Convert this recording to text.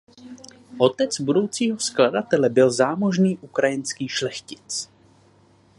Otec budoucího skladatele byl zámožný ukrajinský šlechtic.